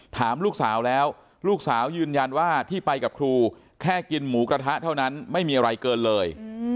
ถามลูกสาวแล้วลูกสาวยืนยันว่าที่ไปกับครูแค่กินหมูกระทะเท่านั้นไม่มีอะไรเกินเลย